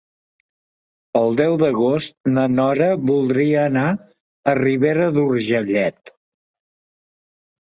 El deu d'agost na Nora voldria anar a Ribera d'Urgellet.